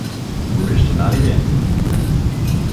Горещина ли ви е?